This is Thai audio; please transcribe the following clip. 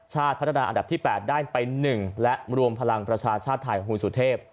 ชาติพัฒนาอันดับที่๘ได้ไป๑และรวมพลังประชาชาติไทยของคุณสุเทพ